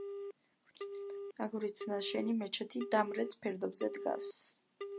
აგურით ნაშენი მეჩეთი დამრეც ფერდობზე დგას.